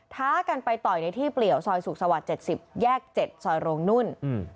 ท้ากันไปต่อยในที่เปลี่ยวซอยสุขสวรรค์๗๐แยก๗ซอยโรงนุ่น